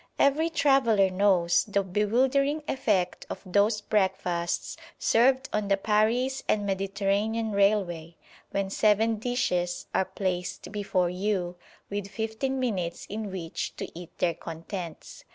Every traveller knows the bewildering effect of those breakfasts served on the Paris and Mediterranean Railway, when seven dishes are placed before you, with fifteen minutes in which to eat their contents.